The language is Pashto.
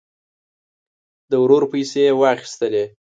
د ورور پیسې یې واخیستلې.